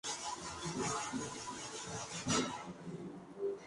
Las competiciones se realizaron en una piscina temporal ubicada en la playa de Copacabana.